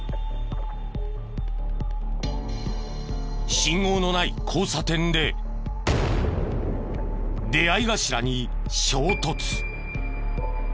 信号のない交差点で出合い頭に衝突。